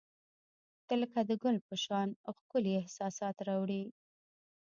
• ته لکه د ګل په شان ښکلي احساسات راوړي.